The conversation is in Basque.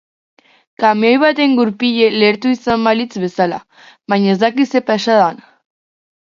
Kamioi baten gurpile lehertu izan balitz bezela, baino eztakit ze pasa dan.